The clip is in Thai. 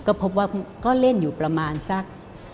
ก็พบว่าก็เล่นอยู่ประมาณสัก